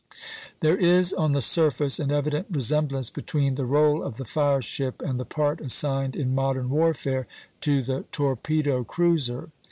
There is on the surface an evident resemblance between the rôle of the fire ship and the part assigned in modern warfare to the torpedo cruiser.